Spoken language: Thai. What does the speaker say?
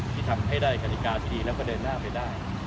ที่ทำให้ได้กฎิกาที่ดีแล้วก็เดินหน้าไปได้